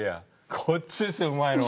こっちですようまいのは。